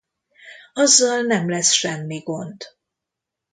Azzal nem lesz semmi gond.